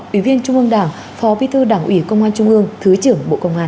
ủy viên trung ương đảng phó bí thư đảng ủy công an trung ương thứ trưởng bộ công an